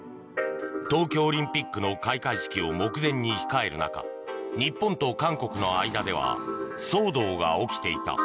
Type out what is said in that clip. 東京オリンピックの開会式を目前に控える中日本と韓国の間では騒動が起きていた。